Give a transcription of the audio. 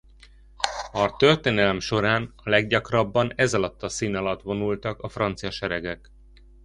A történelem során a leggyakrabban ezalatt a szín alatt vonultak a francia seregek.